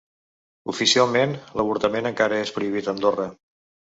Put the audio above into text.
Oficialment, l’avortament encara és prohibit a Andorra.